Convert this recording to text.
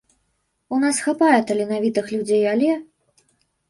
У нас хапае таленавітых людзей, але!